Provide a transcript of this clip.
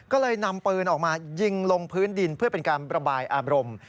ก็เลยนำปืนออกมายิงลงพื้นดินเพื่อเป็นการระบายอารมณ์